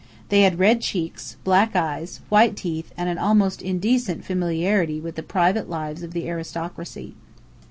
They had red cheeks, black eyes, white teeth, and an almost indecent familiarity with the private lives of the aristocracy.